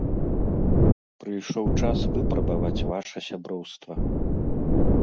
Прыйшоў час выпрабаваць ваша сяброўства.